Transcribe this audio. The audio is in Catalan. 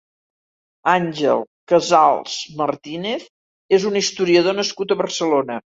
Àngel Casals Martínez és un historiador nascut a Barcelona.